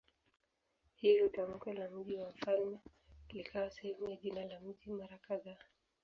Hivyo tamko la "mji wa mfalme" likawa sehemu ya jina la mji mara kadhaa.